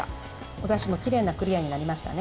おだしもきれいなクリアになりましたね。